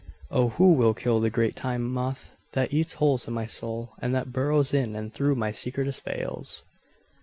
(O who will kill the great Time Moth that eats holes in my soul and that burrows in and through my secretest veils!)